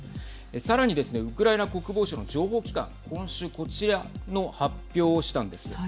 さらにですねウクライナ国防省の情報機関今週こちらの発表をしたんです。